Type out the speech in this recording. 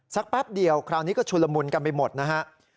แป๊บเดียวคราวนี้ก็ชุลมุนกันไปหมดนะฮะ